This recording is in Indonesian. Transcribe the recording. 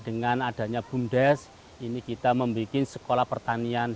nah dengan adanya bumdes ini kita membuat sekolah pertanian di sini